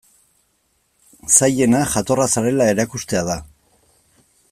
Zailena jatorra zarela erakustea da.